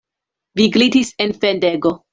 Vi glitis en fendego.